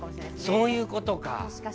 そういうことか。